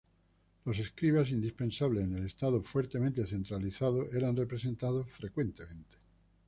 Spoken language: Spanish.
Los escribas, indispensables en el Estado fuertemente centralizado, eran representados frecuentemente.